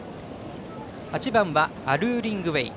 ８番はアルーリングウェイ。